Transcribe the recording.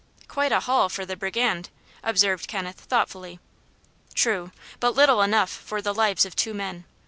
"Quite a haul for the brigand," observed Kenneth, thoughtfully. "True; but little enough for the lives of two men.